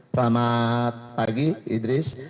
selamat pagi idris